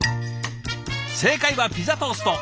正解はピザトースト。